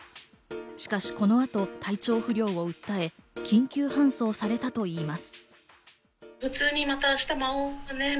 しかしこの後、体調不良を訴え、緊急搬送されたといいます。